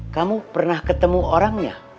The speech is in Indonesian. kamu pernah ketemu orangnya